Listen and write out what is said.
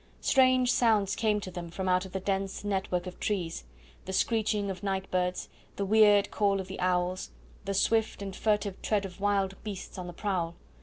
Strange sounds came to them from out the dense network of trees the screeching of night birds, the weird call of the owls, the swift and furtive tread of wild beasts on the prowl.